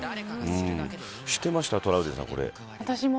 知ってました、トラウデンさん。